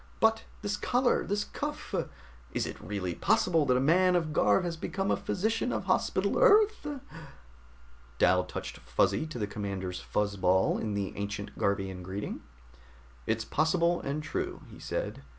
But this collar! This cuff! Is it really possible that a man of Garv has become a physician of Hospital Earth?" Dal touched Fuzzy to the commander's fuzz ball in the ancient Garvian greeting. "It's possible, and true," he said.